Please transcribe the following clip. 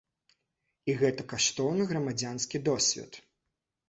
І гэта каштоўны грамадзянскі досвед.